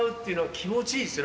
気持ちいいですね。